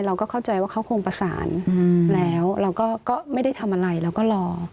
เราก็เข้าใจว่าเขาคงประสานแล้วเราก็ไม่ได้ทำอะไรเราก็รอ